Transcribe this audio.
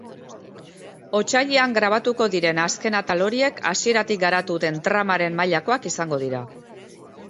Otsailean grabatuko diren azken atal horiek hasieratik garatu den tramaren mailakoak izango dira.